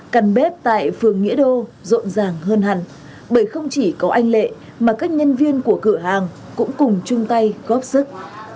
căn bếp tại phường nghĩa đô rộn ràng hơn hẳn bởi không chỉ có anh lệ mà các nhân viên của cửa hàng cũng cùng chung tay góp sức